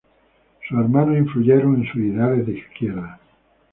Sus hermanos influyeron en sus ideales de izquierda.